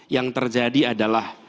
yang terjadi adalah